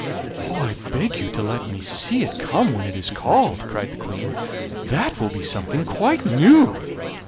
"'I beg you to let me see it come when it is called,' cried the Queen; 'that will be something quite new.